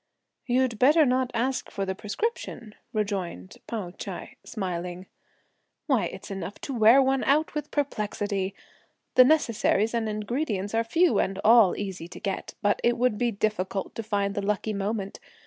"You'd better not ask for the prescription," rejoined Pao Ch'ai smiling. "Why, its enough to wear one out with perplexity! the necessaries and ingredients are few, and all easy to get, but it would be difficult to find the lucky moment!